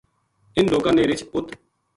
اِنھ لوکاں نے رچھ اُ